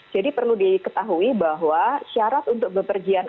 jadi perlu diketahui bahwa syarat untuk bepergian